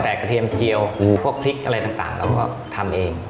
แต่กระเทียมเจียวหมูพวกพริกอะไรต่างเราก็ทำเอง